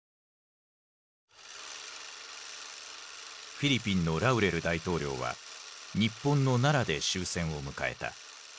フィリピンのラウレル大統領は日本の奈良で終戦を迎えた。